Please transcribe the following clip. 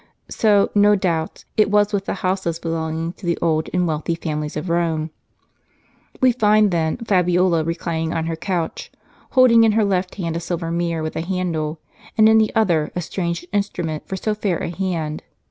So, no doubt, it was with the houses belonging to the old and wealthy families of Rome. We find, then, Fabiola reclining on her couch, holding in her left hand a silver mirror with a handle, and in the other a strange instrument for so fair a hand.